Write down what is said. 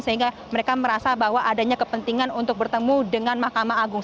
sehingga mereka merasa bahwa adanya kepentingan untuk bertemu dengan mahkamah agung